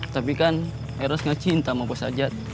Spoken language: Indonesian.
tapi kan eros gak cinta sama bos ahjad